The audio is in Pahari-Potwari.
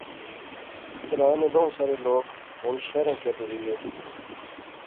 گراں نے بہوں سارے لوک ہُن شہراں کیا ٹُری غئے